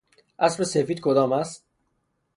اسب سفید کدام است؟